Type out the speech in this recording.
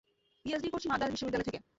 PhD করছি মাদ্রাজ বিশ্ববিদ্যালয় থেকে।